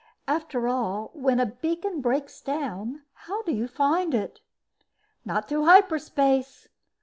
After all, when a beacon breaks down, how do you find it? Not through hyperspace.